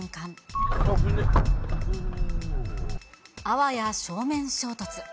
あわや正面衝突。